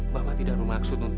bapak tidak bermaksud untuk